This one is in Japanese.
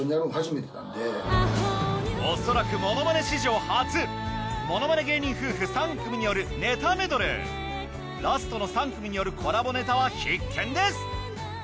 恐らくものまね史上初ものまね芸人夫婦３組によるネタメドレーラストの３組によるコラボネタは必見です